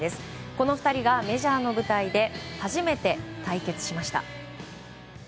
この２人がメジャーの舞台で初めて対決しました。